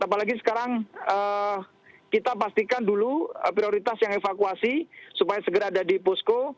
apalagi sekarang kita pastikan dulu prioritas yang evakuasi supaya segera ada di posko